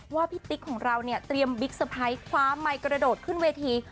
ว่าพี่ติ๊กของเราเนี่ยเตรียมบิ๊กเซอร์ไพรส์คว้าไมค์กระโดดขึ้นเวที